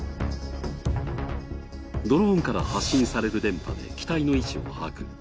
ドローンから発信される電波で機体の位置を把握。